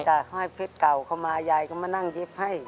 ห้อยเพชรเก่าเข้ามายายก็มานั่งเย็บให้